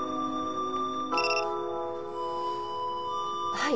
はい。